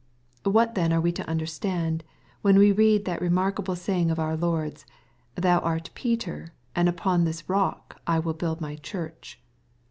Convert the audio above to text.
What then are we to understand, when we read that remarkable saying of our Lord's, " Thou art Peter, and upon this rock I will build my Church